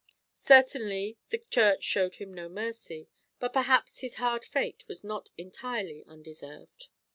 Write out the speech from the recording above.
Certainly the Church showed him no mercy, but perhaps his hard fate was not entirely undeserved.